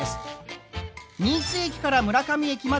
新津駅から村上駅までは直流。